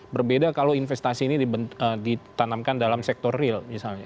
berbeda kalau investasi ini ditanamkan dalam sektor real misalnya